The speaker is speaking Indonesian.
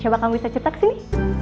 coba kamu bisa cerita di sini